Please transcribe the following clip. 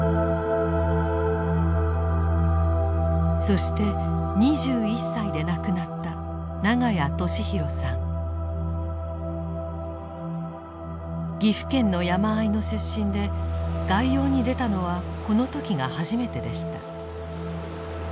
そして２１歳で亡くなった岐阜県の山あいの出身で外洋に出たのはこの時が初めてでした。